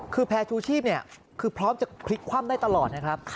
คือแพร่ชูชีพคือพร้อมจะพลิกคว่ำได้ตลอดนะครับ